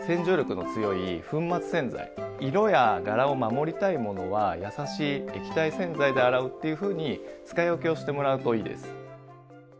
色や柄を守りたいものはやさしい液体洗剤で洗うっていうふうに使い分けをしてもらうといいです。